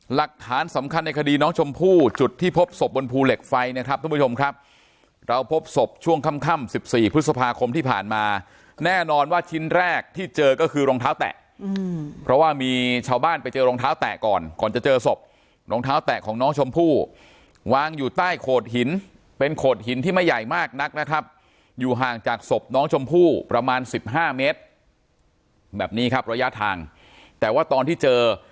หลักฐานสำคัญในคดีน้องชมพู่จุดที่พบศพบนภูเหล็กไฟนะครับทุกผู้ชมครับเราพบศพช่วงค่ำ๑๔พฤษภาคมที่ผ่านมาแน่นอนว่าชิ้นแรกที่เจอก็คือรองเท้าแตะเพราะว่ามีชาวบ้านไปเจอรองเท้าแตะก่อนก่อนจะเจอศพรองเท้าแตะของน้องชมพู่วางอยู่ใต้โขดหินเป็นโขดหินที่ไม่ใหญ่มากนักนะครับอยู่ห